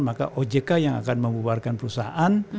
maka ojk yang akan membuarkan perusahaan